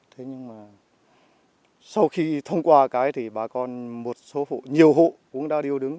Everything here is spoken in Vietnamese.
thế nhưng mà sau khi thông qua cái thì bà con một số nhiều hộ cũng đã điêu đứng